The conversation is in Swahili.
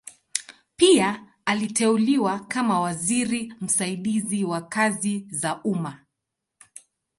Pia aliteuliwa kama waziri msaidizi wa kazi za umma.